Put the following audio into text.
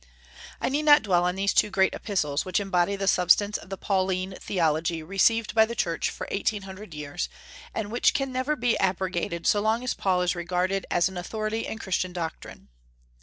I need not dwell on these two great epistles, which embody the substance of the Pauline theology received by the Church for eighteen hundred years, and which can never be abrogated so long as Paul is regarded as an authority in Christian doctrine.